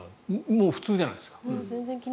もう普通じゃないですか。